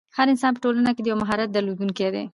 هر انسان په ټولنه کښي د یو مهارت درلودونکی دئ.